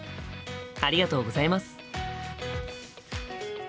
ありがとうございます。